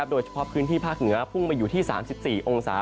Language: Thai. โดยเฉพาะพื้นที่ภาคเหนือพุ่งไปอยู่ที่๓๔องศา